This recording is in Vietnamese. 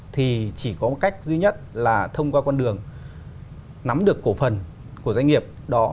thì chỉ có một cách duy nhất là thông qua con đường nắm được cổ phần của doanh nghiệp đó